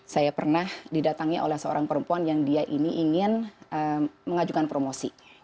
saya pernah didatangi oleh seorang perempuan yang dia ini ingin mengajukan promosi